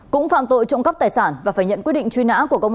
cũng phạm tội trộm cắp tài sản và phải nhận quyết định truy nã của công an